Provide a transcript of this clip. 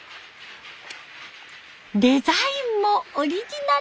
デザインもオリジナル。